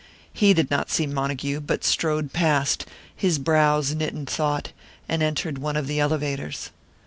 He did not see Montague, but strode past, his brows knit in thought, and entered one of the elevators.